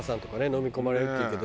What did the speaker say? のみ込まれるっていうけど。